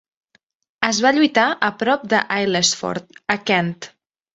Es va lluitar a prop de Aylesford a Kent.